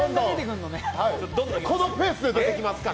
このペースで出てきますから！